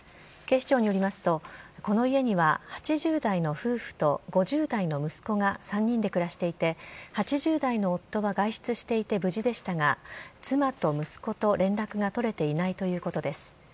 警視庁によりますと、この家には８０代の夫婦と５０代の息子が３人で暮らしていて、８０代の夫は外出していて無事でしたが、妻と息子と連絡が取れていないということです。